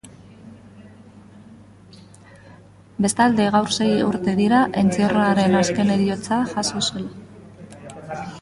Bestalde, gaur sei urte dira entzierroaren azken heriotza jazo zela.